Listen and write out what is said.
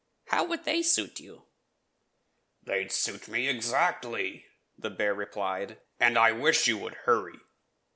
How would they suit you?" "They would suit me exactly," the bear replied, "and I wish you would hurry."